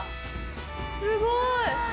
すごい！